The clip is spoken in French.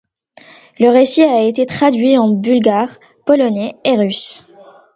Le récit a été traduit en bulgare, polonais et russe.